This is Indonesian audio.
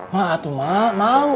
maaf mak malu